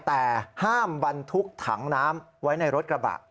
แต่ห้ามบรรทุกถังน้ำไว้ในรถกระบะ